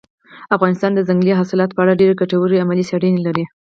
افغانستان د ځنګلي حاصلاتو په اړه ډېرې ګټورې علمي څېړنې لري.